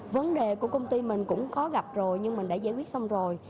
vấn đề của công ty mình cũng có gặp rồi nhưng mình đã giải quyết xong rồi